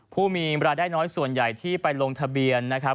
ผู้มีรายได้น้อยส่วนใหญ่ที่ไปลงทะเบียนนะครับ